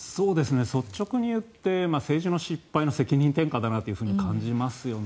率直に言って政治の失敗の責任転嫁だなと感じますよね。